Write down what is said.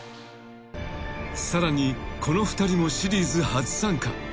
［さらにこの２人もシリーズ初参加］